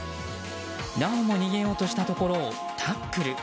なおも逃げようとしたところをタックル。